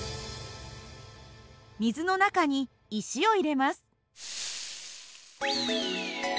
水の中に石を入れます。